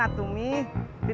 kangen sama mimi